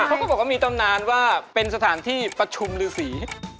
เขาก็บอกว่ามีตำนานว่าเป็นสถานที่ประชุมฤษี